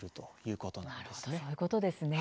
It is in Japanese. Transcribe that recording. なるほどそういうことですね。